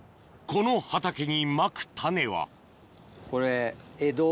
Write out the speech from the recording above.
この畑にまく種はこれ。